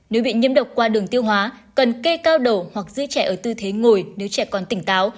nếu bị nhiễm độc qua đường tiêu hóa cần kê cao độ hoặc giữ trẻ ở tư thế ngồi nếu trẻ còn tỉnh táo